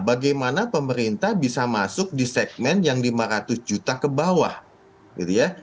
bagaimana pemerintah bisa masuk di segmen yang lima ratus juta ke bawah gitu ya